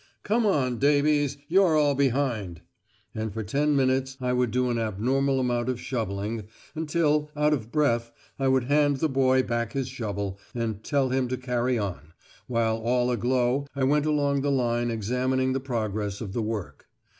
"Come on, Davies, you're all behind," and for ten minutes I would do an abnormal amount of shovelling, until, out of breath, I would hand the boy back his shovel, and tell him to carry on, while all aglow I went along the line examining the progress of the work.